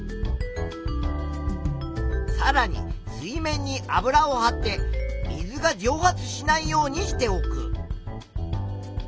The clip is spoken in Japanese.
さらに水面に油をはって水がじょう発しないようにしておく。